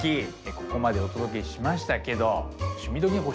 ここまでお届けしましたけど「趣味どきっ！」